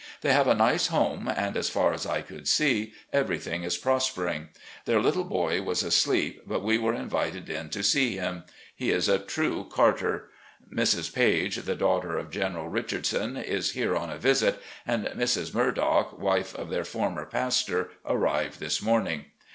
They have a nice home, and, as far as I covdd see, everything is prospering. Their little boy was asleep, but we were invited in to see him. He is a • true Carter. Mrs. Page, the daughter of General Richard son, is here on a visit, and Mrs. Murdock, wife of their former pastor, arrived this morning.